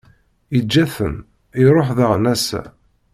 Iǧǧa-ten, iṛuḥ daɣen ass-a.